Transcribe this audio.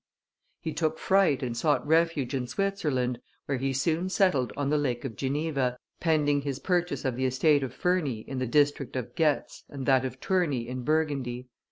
He took fright and sought refuge in Switzerland, where he soon settled on the Lake of Geneva, pending his purchase of the estate of Ferney in the district of Gex and that of Tourney in Burgundy.